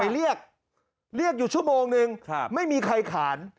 เรียกอยู่ชั่วโมงหนึ่งไม่มีใครขาน